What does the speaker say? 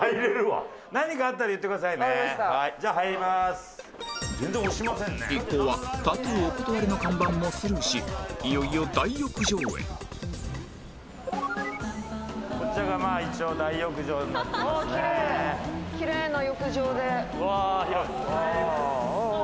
はい！